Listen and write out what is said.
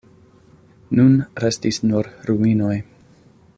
Nun restis nur ruinoj.